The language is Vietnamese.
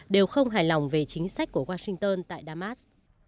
đều không hài lòng về chính sách của washington tại damas